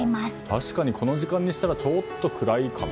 確かにこの時間にしたらちょっと暗いかな。